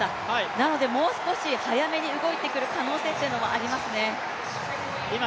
なので、もう少し早めに動いてくる可能性もありますね。